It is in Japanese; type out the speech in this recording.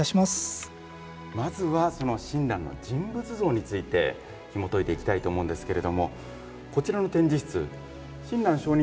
まずはその親鸞の人物像についてひもといていきたいと思うんですけれどもこちらの展示室、親鸞聖人